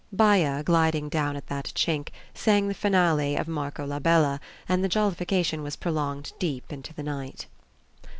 Baya, gliding down at that chink, sang the finale of "Marco la Bella," and the jollification was prolonged deep into the night.